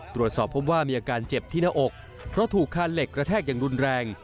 ตรวจสอบพบว่ามีอาการเจ็บที่หน้าอกเพราะถูกคานเหล็กกระแทกอย่างรุนแรง